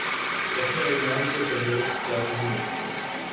رکھے امام سے جو بغض، کیا کہیں اُس کو؟